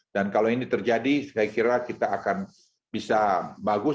dan kalau ini terjadi saya kira kita akan bisa bagus